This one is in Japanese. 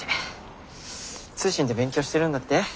通信で勉強してるんだって？